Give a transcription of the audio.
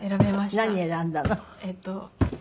何選んだの？